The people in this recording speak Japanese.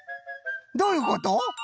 どういうこと？